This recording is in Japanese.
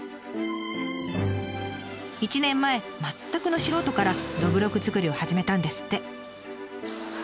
１年前全くの素人からどぶろく造りを始めたんですって。